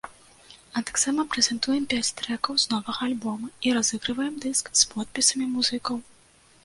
А таксама прэзентуем пяць трэкаў з новага альбома і разыгрываем дыск з подпісамі музыкаў.